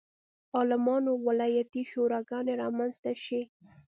عالمانو ولایتي شوراګانې رامنځته شي.